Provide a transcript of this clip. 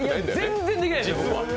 全っ然できないです。